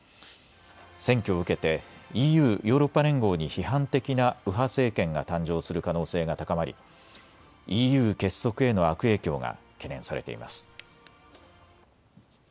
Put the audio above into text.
選挙を受けてＥＵ・ヨーロッパ連合に批判的な右派政権が誕生する可能性が高まりＥＵ結束への悪影響が懸念されています。